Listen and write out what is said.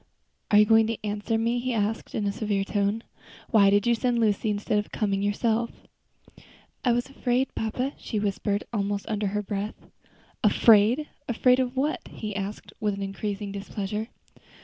"Are you going to answer me?" he asked, in his severe tone. "Why did you send Lucy instead of coming yourself?" "I was afraid, papa," she whispered, almost under her breath. "Afraid! afraid of what?" he asked, with increasing displeasure.